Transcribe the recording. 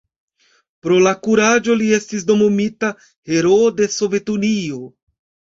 Pro la kuraĝo li estis nomumita Heroo de Sovetunio.